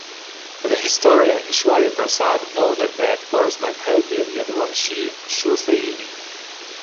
The historian, Ishwari Prasad, noted that Porus might have been a Yaduvanshi Shoorsaini.